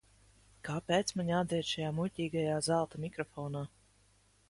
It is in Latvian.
Kāpēc man jādzied šajā muļķīgajā zelta mikrofonā?